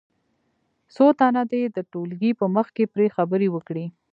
څو تنه دې د ټولګي په مخ کې پرې خبرې وکړي.